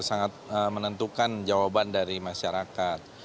sangat menentukan jawaban dari masyarakat